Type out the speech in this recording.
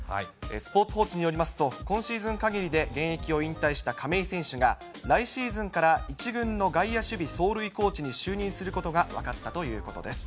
スポーツ報知によりますと、今シーズンかぎりで現役を引退した亀井選手が、来シーズンから１軍の外野守備走塁コーチに就任することが分かったということです。